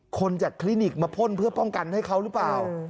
คนจากคลินิกมาพ่นเพื่อป้องกันให้เขาหรือเปล่า